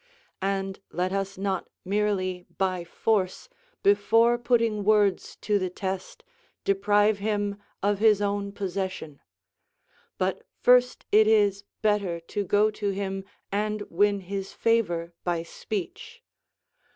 And let us not merely by force, before putting words to the test, deprive him of his own possession. But first it is better to go to him and win his favour by speech.